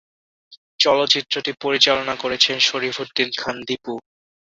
চলচ্চিত্রটি পরিচালনা করেছেন শরীফ উদ্দীন খান দীপু।